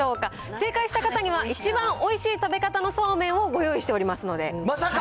正解した方には一番おいしい食べ方のそうめんをご用意しておりままさか！